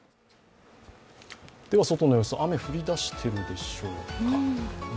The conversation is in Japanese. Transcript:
外の様子、雨降り出しているでしょうか。